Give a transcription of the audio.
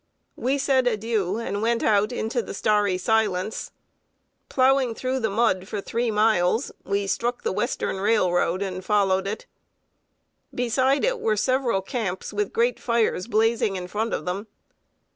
We said adieu, and went out into the starry silence. Plowing through the mud for three miles, we struck the Western Railroad, and followed it. Beside it were several camps with great fires blazing in front of them.